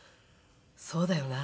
そうだよな